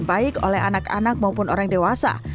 baik oleh anak anak maupun orang dewasa